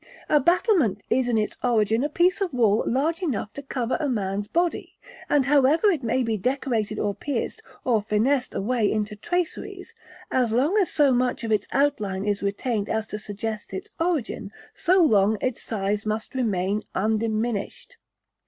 A battlement is in its origin a piece of wall large enough to cover a man's body, and however it may be decorated, or pierced, or finessed away into traceries, as long as so much of its outline is retained as to suggest its origin, so long its size must remain undiminished.